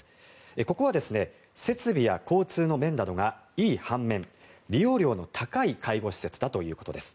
ここは設備や交通の便などがいい半面利用料の高い介護施設だということです。